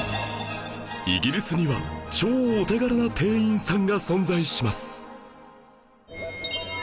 イギリスには超お手柄な店員さんが存在します